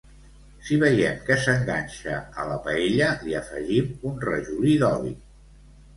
Si veiem que s'enganxa a la paella, li afegim un rajolí d'oli.